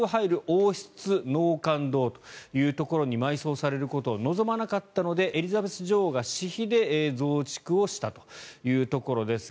王室納棺堂というところに埋葬されることを望まなかったのでエリザベス女王が私費で増築をしたというところです。